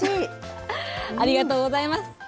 ありがとうございます。